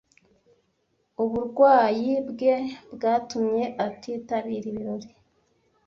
Uburwayi bwe bwatumye atitabira ibirori.